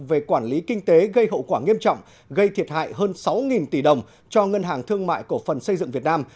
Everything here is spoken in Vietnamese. về quản lý kinh tế gây hậu quả nghiêm trọng gây thiệt hại hơn sáu tỷ đồng cho ngân hàng thương mại cổ phần xây dựng việt nam